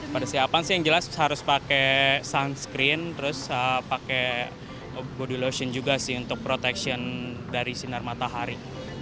persiapan sih yang jelas harus pakai sunscreen terus pakai body lotion juga sih untuk protection dari sinar matahari